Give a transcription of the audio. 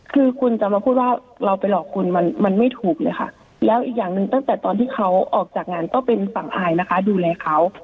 คือคุณจะมาพูดว่าเราไปหลอกคุณมันไม่ถูกเลยค่ะแล้วอีกอย่างหนึ่งตั้งแต่ตอนที่เขาออกจากงานก็เป็นฝั่งอายนะคะดูแลเขา